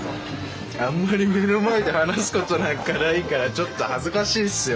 あんまり目の前で話すことないからちょっと恥ずかしいっすよ